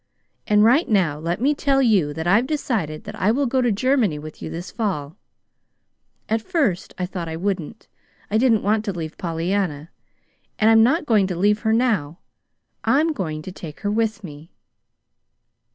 And right now let me tell you that I've decided that I will go to Germany with you this fall. At first I thought I wouldn't. I didn't want to leave Pollyanna and I'm not going to leave her now. I'm going to take her with me."